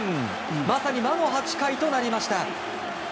まさに魔の８回となりました。